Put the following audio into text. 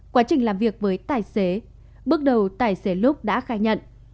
quá trình làm việc với tài xế bước đầu tài xế lúc đã khai nhận